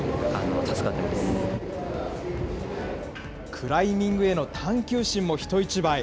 クライミングへの探究心も人一倍。